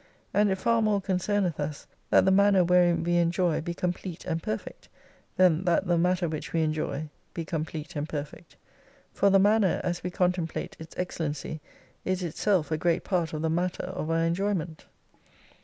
And it far more con cemeth us that the manner wherein we enjoy be com plete and perfect, than that the matter which we enjoy be complete and perfect. For the manner, as we con template its excellency, is itself a great part of the_matter of our enjoyment.